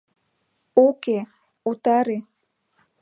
— Уке, утаре...